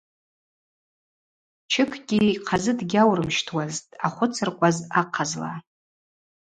Чыкьгьи йхъазы дгьаурымщтуазтӏ дъахвыцыркӏваз ахъазла.